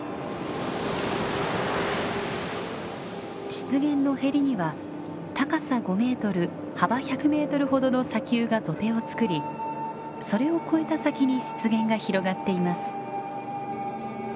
湿原のへりには高さ５メートル幅１００メートルほどの砂丘が土手をつくりそれを越えた先に湿原が広がっています。